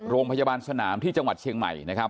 โรงพยาบาลสนามที่จังหวัดเชียงใหม่นะครับ